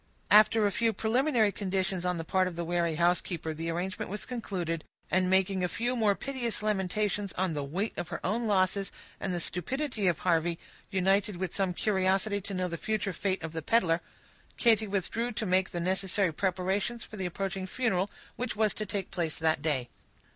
After a few preliminary conditions on the part of the wary housekeeper, the arrangement was concluded; and making a few more piteous lamentations on the weight of her own losses and the stupidity of Harvey, united with some curiosity to know the future fate of the peddler, Katy withdrew to make the necessary preparations for the approaching funeral, which was to take place that day.